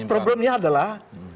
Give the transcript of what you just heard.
nah problemnya adalah